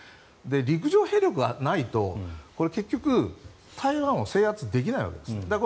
陸上兵力がないと結局台湾を制圧できないわけです。